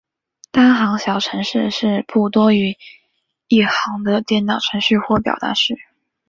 单行小程式是不多于一行的电脑程序或表达式。